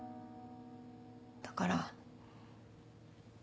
だから。